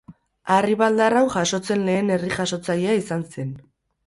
Harri baldar hau jasotzen lehen harri-jasotzailea izan zen.